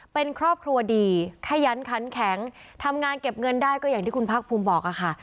เป็นครอบครัวดีขยันขันแข็งทำงานเก็บเงินได้ก็อย่างที่คุณภาคภูมิบอกค่ะ